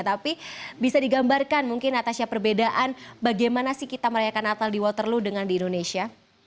tapi bisa digambarkan mungkin natasha perbedaan bagaimana sih kita merayakan natal di waterloo dengan di indonesia